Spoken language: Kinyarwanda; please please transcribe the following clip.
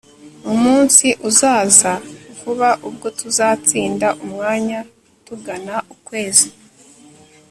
umunsi uzaza vuba ubwo tuzatsinda umwanya tugana ukwezi